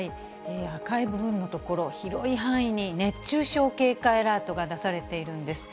赤い部分の所、広い範囲に熱中症警戒アラートが出されているんです。